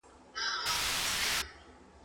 زه مخکي اوبه پاکې کړې وې،